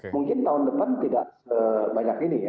mungkin tahun depan tidak sebanyak ini ya